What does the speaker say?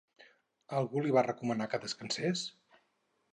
Algú li va recomanar que descansés?